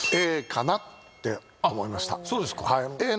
Ａかなって思いましたそうですか